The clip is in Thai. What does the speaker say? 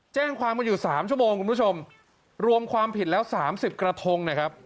แจ้งความกันอยู่สามชั่วโมงคุณผู้ชมรวมความผิดแล้วสามสิบกระทงนะครับ